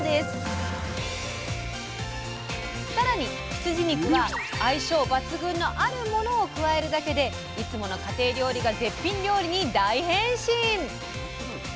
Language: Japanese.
さらに羊肉は相性抜群のあるものを加えるだけでいつもの家庭料理が絶品料理に大変身！